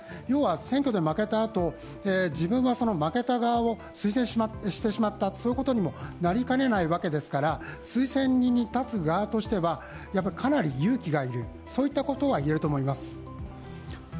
選挙で負けたあと、自分は負けた側を推薦してしまったと、そういうことにもなりかねないわけですから推薦人に立つ側としては、やはりかなり勇気が要るといえると思います。